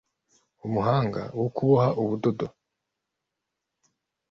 umuhanga wo kuboha ubudodo